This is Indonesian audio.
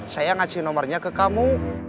saya ngasih nomornya ke kamu